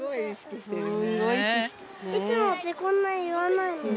いつもこんなの言わないのに。